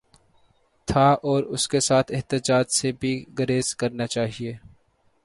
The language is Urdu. تھا اور اس کے ساتھ احتجاج سے بھی گریز کرنا چاہیے۔